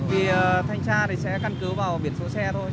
vì thanh tra thì sẽ căn cứ vào biển số xe thôi